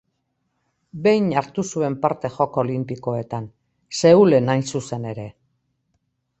Behin hartu zuen parte Joko Olinpikoetan: Seulen hain zuzen ere.